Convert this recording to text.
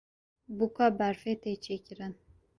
Bûka berfê tê çêkirin.